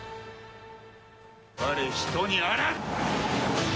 われ、人にあらず。